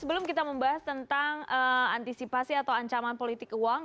sebelum kita membahas tentang antisipasi atau ancaman politik uang